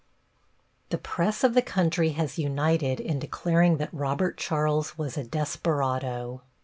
+ The press of the country has united in declaring that Robert Charles was a desperado.